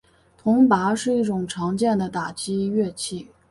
铜钹是一种常见的打击乐器。